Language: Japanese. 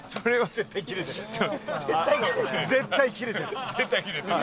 絶対キレてる。